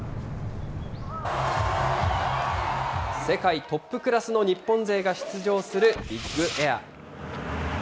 世界トップクラスの日本勢が出場するビッグエア。